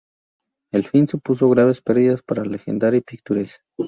El film supuso graves perdidas para Legendary Pictures.